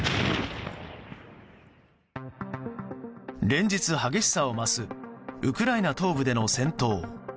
連日、激しさを増すウクライナ東部での戦闘。